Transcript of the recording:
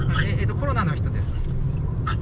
コロナの人です。